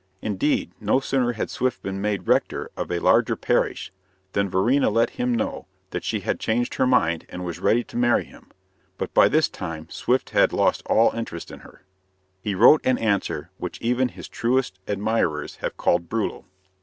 Indeed, no sooner had Swift been made rector of a larger parish, than Varina let him know that she had changed her mind, and was ready to marry him; but by this time Swift had lost all interest in her. He wrote an answer which even his truest admirers have called brutal.